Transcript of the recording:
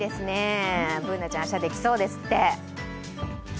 Ｂｏｏｎａちゃん、明日できそうですって。